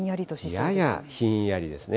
ややひんやりですね。